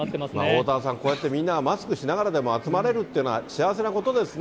おおたわさん、こうやってみんなマスクしながらでも、集まれるっていうのは幸せなことですね。